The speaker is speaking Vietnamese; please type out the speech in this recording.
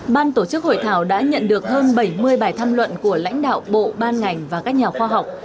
ban tổ chức hội thảo đã nhận được hơn bảy mươi bài tham luận của lãnh đạo bộ ban ngành và các nhà khoa học